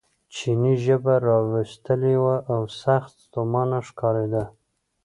چیني ژبه را ویستلې وه او سخت ستومانه ښکارېده.